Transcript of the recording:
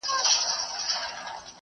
منکر عمل څنګه منع کېدای سي؟